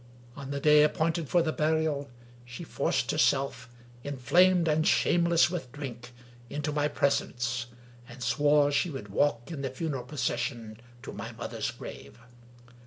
On the day appointed for the burial she forced herself, inflamed and shameless with drink, into my presence, and swore she would walk in the funeral procession to my mother's grave.